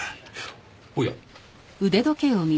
おや。